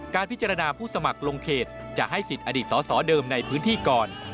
การพิจารณาผู้สมัครลงเขตจะให้สิทธิ์อดีตสอสอเดิมในพื้นที่ก่อน